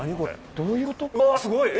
どういうこと？